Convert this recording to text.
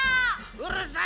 うるさい。